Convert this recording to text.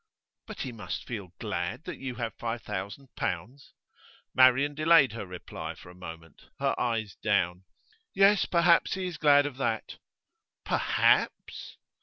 'But he must feel glad that you have five thousand pounds.' Marian delayed her reply for a moment, her eyes down. 'Yes, perhaps he is glad of that.' 'Perhaps!